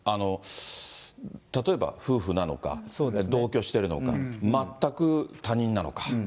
例えば夫婦なのか、同居してるのか、全く他人なのか。